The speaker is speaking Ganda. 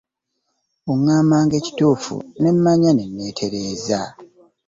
Oŋŋambanga ekituufu ne mmanya ne ntereeza.